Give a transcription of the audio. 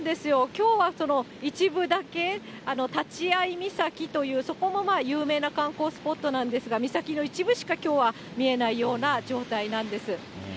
きょうはその一部だけ、たちあい岬という、そこも有名な観光スポットなんですが、岬の一部しかきょうは見えないような状態なんです。